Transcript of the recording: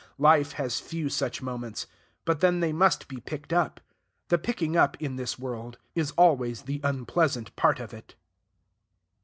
Life has few such moments. But then they must be picked up. The picking up, in this world, is always the unpleasant part of it.